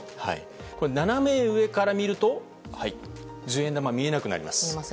斜め上から見ると十円玉が見えなくなります。